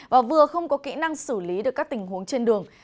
và vừa không có kỹ năng xử lý được các tình huống trên đường